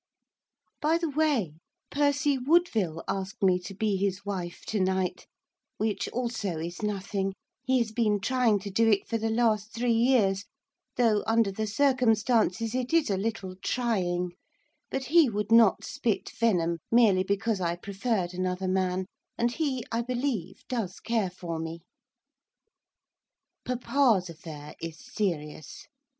By the way, Percy Woodville asked me to be his wife to night, which, also, is nothing; he has been trying to do it for the last three years, though, under the circumstances, it is a little trying; but he would not spit venom merely because I preferred another man, and he, I believe, does care for me. Papa's affair is serious.